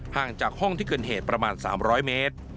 ห่างจากห้องที่เกิดเหตุประมาณ๓๐๐เมตร